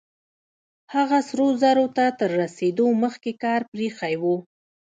هغه سرو زرو ته تر رسېدو مخکې کار پرېښی و.